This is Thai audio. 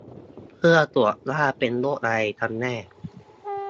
เพื่อตรวจว่าเป็นโรคอะไรกันแน่